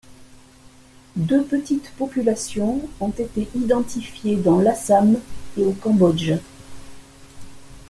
Deux petites populations ont été identifiées dans l'Assam et au Cambodge.